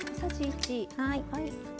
はい。